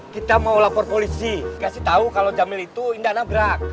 kita mau lapor polisi kasih tahu kalau jamil itu indah nabrak